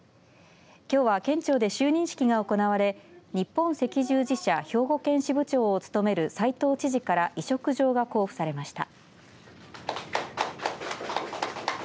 きょうは県庁で就任式が行われ日本赤十字社兵庫県支部長を務める斎藤知事から委嘱状が交付されました。